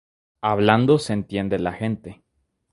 Hablando se entiende la gente